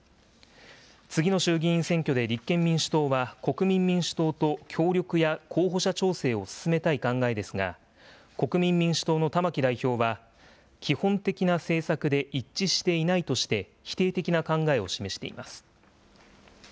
次の衆議院選挙で立憲民主党は、国民民主党と協力や候補者調整を進めたい考えですが、国民民主党の玉木代表は、基本的な政策で一致していないとして、否定的な考えを示しています。